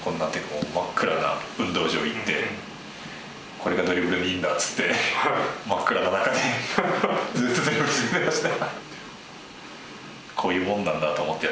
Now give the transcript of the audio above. これがドリブルにいいんだっつって真っ暗な中でずっとドリブルしてました。